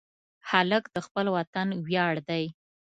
هلک د خپل وطن ویاړ دی.